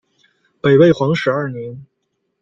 北魏皇始二年。